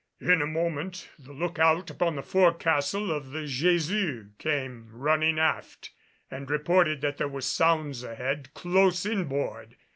In a moment the lookout upon the fore castle of the Jesus came running aft and reported that there were sounds ahead close inboard.